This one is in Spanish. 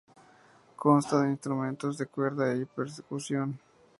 Consta de instrumentos de cuerda y percusión.